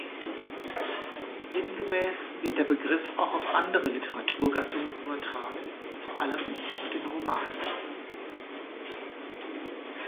Sinngemäß wird der Begriff auch auf andere Literaturgattungen übertragen, vor allem auf den Roman.